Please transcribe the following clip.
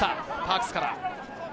パークスから。